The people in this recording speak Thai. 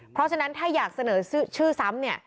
เพราะฉะนั้นถ้าอยากเสนอชื่อซ้ำเนี่ย